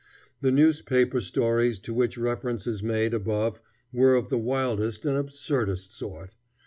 The newspaper stories to which reference is made above were of the wildest and absurdest sort.